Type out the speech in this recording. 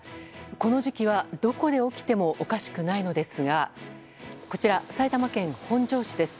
この時期はどこで起きてもおかしくないのですがこちら埼玉県本庄市です。